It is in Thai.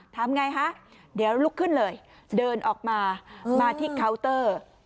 ทำไงฮะเดี๋ยวลุกขึ้นเลยเดินออกมามาที่เคาน์เตอร์